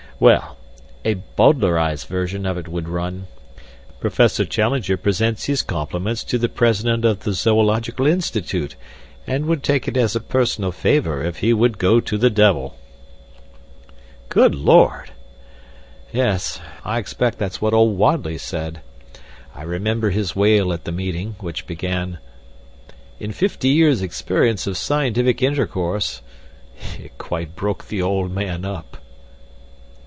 "Well, a bowdlerized version of it would run: 'Professor Challenger presents his compliments to the President of the Zoological Institute, and would take it as a personal favor if he would go to the devil.'" "Good Lord!" "Yes, I expect that's what old Wadley said. I remember his wail at the meeting, which began: 'In fifty years experience of scientific intercourse ' It quite broke the old man up."